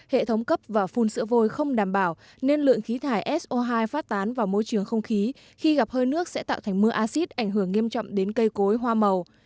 hệ thống cấp và phun sữa vôi không đảm bảo nên lượng khí thải so hai phát tán vào môi trường không khí khi gặp hơi nước sẽ tạo thành mưa acid ảnh hưởng nghiêm trọng đến cây cối hoa màu